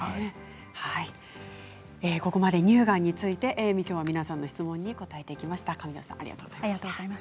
ここまで乳がんについて皆さんの質問に答えていきました。